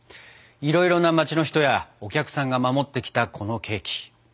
いろいろな街の人やお客さんが守ってきたこのケーキ。